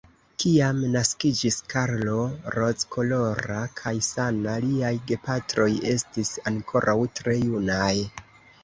Kiam naskiĝis Karlo, rozkolora kaj sana, liaj gepatroj estis ankoraŭ tre junaj.